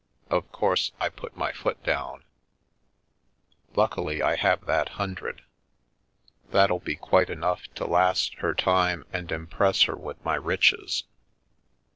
Of course I put my foot down. Luckily I have that hundred. That'll be quite enough to last her time and impress her with my riches.